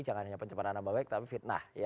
jangan hanya pencemaran nama baik tapi fitnah